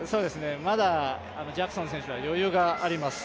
まだジャクソン選手は余裕があります。